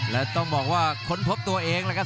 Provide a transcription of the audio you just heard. และต้องบอกว่าค้นพบตัวเองแล้วครับ